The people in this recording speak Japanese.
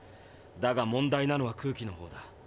だが問題なのは空気のほうだ。